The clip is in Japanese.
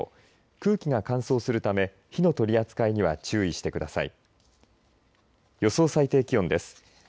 空気が乾燥するため火の取り扱いには注意してください。